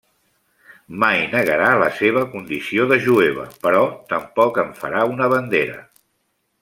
Mai negarà la seva condició de jueva, però tampoc en farà una bandera.